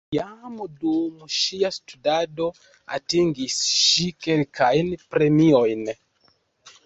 Jam dum ŝia studado atingis ŝi kelkajn premiojn.